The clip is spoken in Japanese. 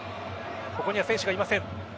ここには選手がいません。